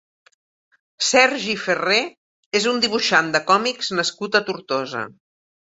Sergi Ferré és un dibuixant de còmics nascut a Tortosa.